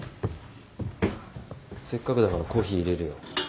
せっかくだからコーヒー入れるよ。